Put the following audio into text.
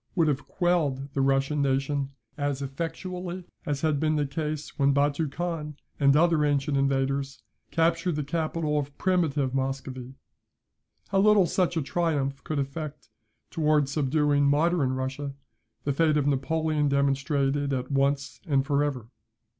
would have quelled the Russian nation as effectually, as had been the case when Batou Khan, and other ancient invaders, captured the capital of primitive Muscovy. How little such a triumph could effect towards subduing modern Russia, the fate of Napoleon demonstrated at once and for ever.